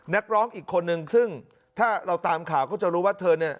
นักร้องอีกคนนึงซึ่งถ้าเราตามข่าวก็จะรู้ว่าเธอเนี่ย